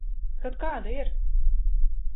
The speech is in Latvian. Kaut kāda ir.